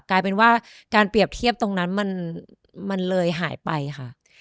กลายเป็นว่าการเปรียบเทียบตรงนั้นมันเลยหายไปค่ะ